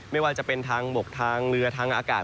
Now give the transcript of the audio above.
ไม่ว่าจะเป็นทางบกทางเรือทางอากาศ